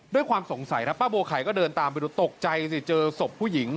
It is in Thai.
ด้วยความสงสัยครับป้าบัวไข่ก็เดินตามไปดูตกใจสิเจอศพผู้หญิง